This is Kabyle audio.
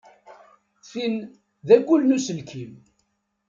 Tin d agul n uselkim.